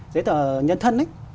giấy tờ nhân thân ấy